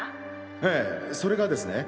ええそれがですね